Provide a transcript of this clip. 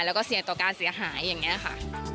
แล้วก็เสี่ยงต่อการเสียหายอย่างนี้ค่ะ